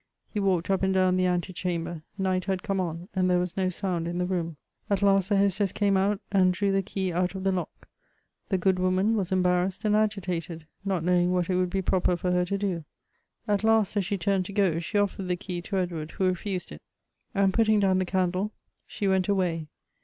He walked up and down the antechamber. Night had come on, and there was no sound in the room. At last the hostess came out and drew the key out of the lock. The good woman was embarrassed and agitated, not knowing what it would be proper for her to do. At last as she turned to go, she offered the key to Edward, who refused it ; and putting down the candle, she went away.